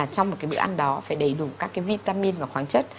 trong một bữa ăn đó phải đầy đủ các vitamin và khoáng chất